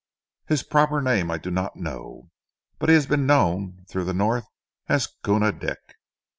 "His proper name I do not know, but he has been known through the North as Koona Dick!"